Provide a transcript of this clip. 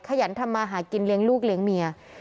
ขยันทำมาหากินเลี้ยงลูกเลี้ยงเมีย